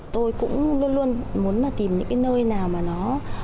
tôi cũng luôn luôn muốn tìm những nơi nào mà nó